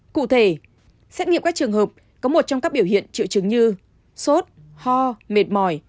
cụ thể xét nghiệm các trường hợp có một trong các biểu hiện triệu chứng như sốt ho mệt mỏi